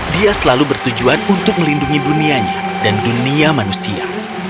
dia selalu bertujuan untuk melindungi dunianya dan dunia manusia